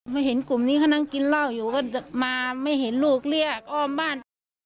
มาเห็นกลุ่มนี้เขานั่งกินเหล้าอยู่ก็มาไม่เห็นลูกเรียกอ้อมบ้านไป